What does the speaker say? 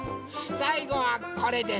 さいごはこれです。